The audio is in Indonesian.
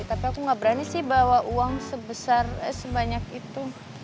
tapi aku gak berani sih bawa uang sebesar sebanyak itu